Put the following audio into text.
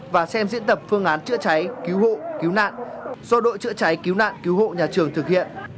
và xem diễn tập phương án chữa cháy cứu hộ cứu nạn do đội chữa cháy cứu nạn cứu hộ nhà trường thực hiện